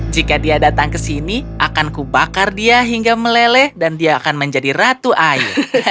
jika dia datang ke sini akan kubakar dia hingga meleleh dan dia akan menjadi ratu air